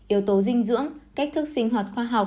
yếu tố dinh dưỡng cách thức sinh hoạt khoa học